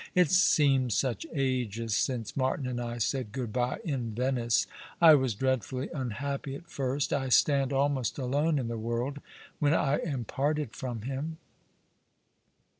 It seems such ages since Martin and I said good bye in Venice. I was dreadfully unhappy at first. I stand almost alone in the world, when I am parted from him."